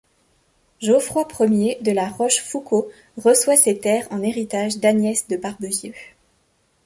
Geoffroy I de La Rochefoucauld reçoit ces terres en héritage d'Agnès de Barbezieux.